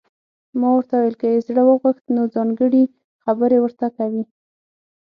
ما ورته وویل: که یې زړه وغوښت، نو ځانګړي خبرې ورته کوي.